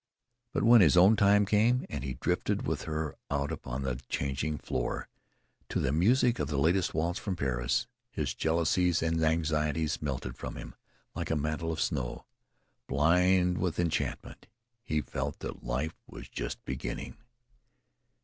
But when his own time came, and he drifted with her out upon the changing floor to the music of the latest waltz from Paris, his jealousies and anxieties melted from him like a mantle of snow. Blind with enchantment, he felt that life was just beginning.